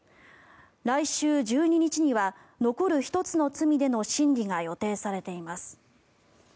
来週１２日には残る１つの罪での審理が予定されています。